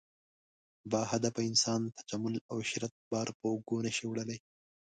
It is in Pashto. باهدفه انسان تجمل او عشرت بار په اوږو نه شي وړلی.